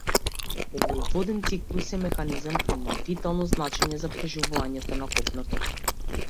Овој воден циклус е механизам кој има витално значење за преживувањето на копното.